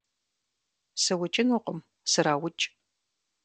- СыӀукӀынукъым, сраукӀ!